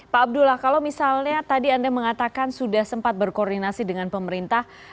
pak abdullah kalau misalnya tadi anda mengatakan sudah sempat berkoordinasi dengan pemerintah